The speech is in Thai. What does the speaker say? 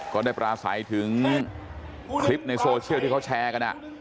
ก็ได้ปราศัยถึงคลิปในโซเชียลที่เขาแชร์กัน